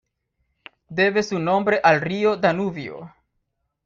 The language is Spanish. Debe su nombre al río Danubio.